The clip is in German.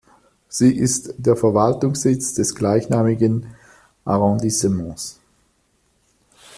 Sie ist der Verwaltungssitz des gleichnamigen Arrondissements.